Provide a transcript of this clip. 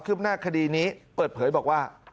หน้าคดีนี้เปิดเผยบอกว่า